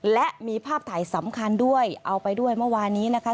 และมีภาพถ่ายสำคัญด้วยเอาไปด้วยเมื่อวานนี้นะคะ